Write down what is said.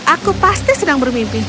aku pasti sedang bermimpi